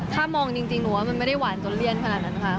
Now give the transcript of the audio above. ถ้ามองจริงหนูว่ามันไม่ได้หวานจนเลี่ยนขนาดนั้นค่ะ